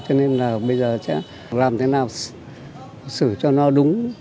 cho nên là bây giờ sẽ làm thế nào xử cho nó đúng